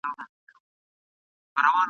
د زړه مېنه مي خالي ده له سروره !.